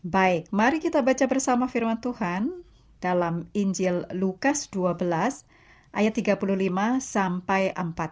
baik mari kita baca bersama firman tuhan dalam injil lukas dua belas ayat tiga puluh lima sampai empat puluh